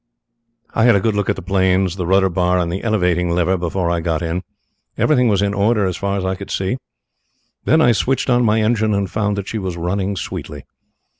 "I had a good look at the planes, the rudder bar, and the elevating lever before I got in. Everything was in order so far as I could see. Then I switched on my engine and found that she was running sweetly.